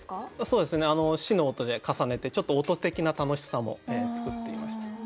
「し」の音で重ねてちょっと音的な楽しさも作ってみました。